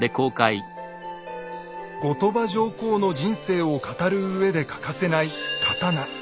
後鳥羽上皇の人生を語るうえで欠かせない刀。